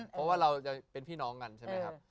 เพราะว่าเราจะเป็นพี่น้องกันใช่ไหมครับ